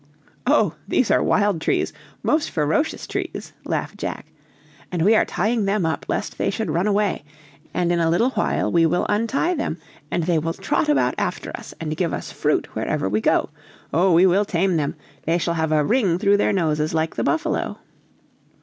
"Oh, these are wild trees, most ferocious trees," laughed Jack, "and we are tying them up lest they should run away, and in a little while we will untie them and they will trot about after us and give us fruit wherever we go. Oh, we will tame them; they shall have a ring through their noses like the buffalo!"